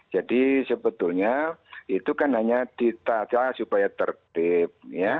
jadi sebetulnya itu kan hanya ditata supaya tertib